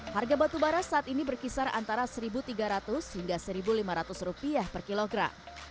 harga batubara saat ini berkisar antara rp satu tiga ratus hingga rp satu lima ratus per kilogram